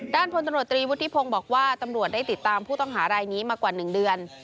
พลตำรวจตรีวุฒิพงศ์บอกว่าตำรวจได้ติดตามผู้ต้องหารายนี้มากว่า๑เดือน